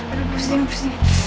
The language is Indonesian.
aduh pusing pusing